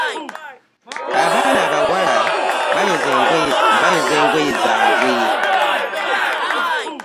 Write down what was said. Abaana abawala bayoza engoye zaabwe.